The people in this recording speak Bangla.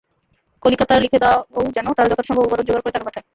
কলিকাতায় লিখে দাও, যেন তারা যতটা সম্ভব উপাদান যোগাড় করে তাঁকে পাঠায়।